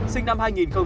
sinh năm hai nghìn ba